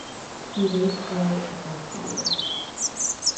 You wait for it to come to you.